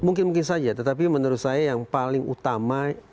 mungkin mungkin saja tetapi menurut saya yang paling utama